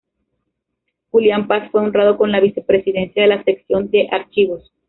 Julián Paz fue honrado con la vicepresidencia de la sección de archivos.